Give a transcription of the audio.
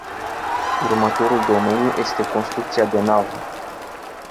Următorul domeniu este construcția de nave.